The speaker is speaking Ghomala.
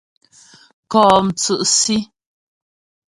Kɔ́ mtsʉ́' Sí.